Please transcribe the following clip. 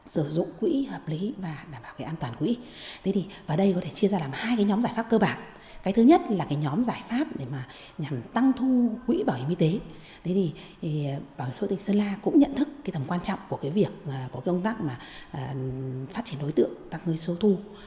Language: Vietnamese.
sơn la cũng nhận thức tầm quan trọng của công tác phát triển đối tượng tăng người số thu